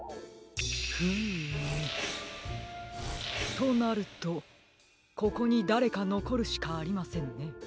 フームとなるとここにだれかのこるしかありませんね。